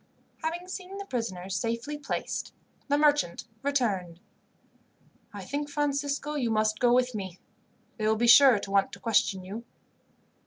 Having seen the prisoners safely placed, the merchant returned. "I think, Francisco, you must go with me. They will be sure to want to question you."